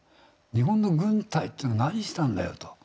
日本の軍隊っていうのは何したんだよと。